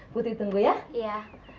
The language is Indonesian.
putri tunggu ya